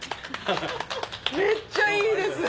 めっちゃいいですね！